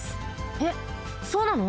えっそうなの？